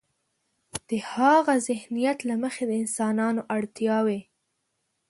د هاغه ذهنیت له مخې د انسانانو اړتیاوې.